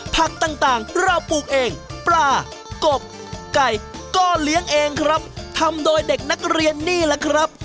ผักต่างเราปลูกเองปลากบไก่ก็เลี้ยงเองครับทำโดยเด็กนักเรียนนี่แหละครับ